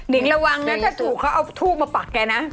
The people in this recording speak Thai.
ิงระวังนะถ้าถูกเขาเอาทูบมาปักแกนะ